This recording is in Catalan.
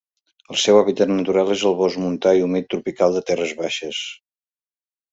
El seu hàbitat natural és el bosc montà i humit tropical de terres baixes.